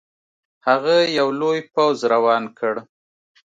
هغه یو لوی پوځ روان کړ.